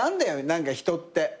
何か人って。